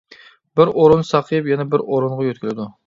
بىر ئورۇن ساقىيىپ يەنە بىر ئورۇنغا يۆتكىلىدۇ.